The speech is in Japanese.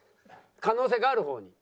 可能性がある方に。